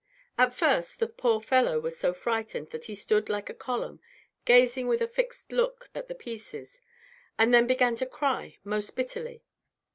At first, the poor fellow was so frightened that he stood like a column, gazing with a fixed look at the pieces, and then began to cry most bitterly.